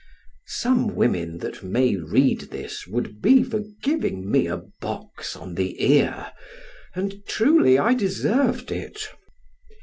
Some women that may read this would be for giving me a box on the ear, and, truly, I deserved it.